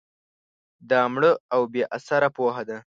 دا مړه او بې اثره پوهه ده